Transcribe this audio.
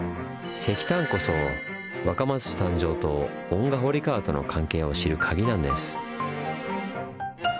石炭こそ若松市誕生と遠賀堀川との関係を知るカギなんです。